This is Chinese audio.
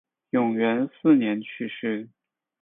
永元四年去世。